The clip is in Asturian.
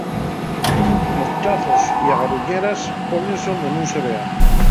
Los ḷḷazos ya gaduñeras pónense onde nun se vean.